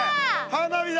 花火だ！